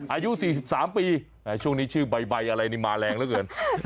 อายุ๔๓ปีช่วงนี้ชื่อใบร์อะไรมาแรงว่ะเคิ่ล